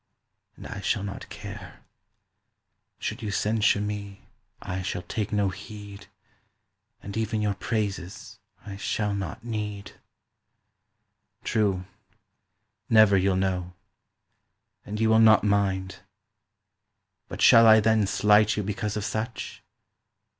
And I shall not care. Should you censure me I shall take no heed And even your praises I shall not need." True: never you'll know. And you will not mind. But shall I then slight you because of such?